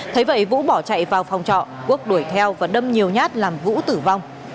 thấy vậy vũ bỏ chạy vào phòng trọ quốc đuổi theo và đâm nhiều nhát làm vũ tử vong